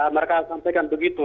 mereka sampaikan begitu